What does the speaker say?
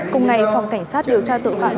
cùng ngày phòng cảnh sát điều tra tự phạm